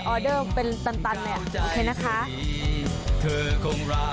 เดอร์เป็นตันเนี่ยโอเคนะคะ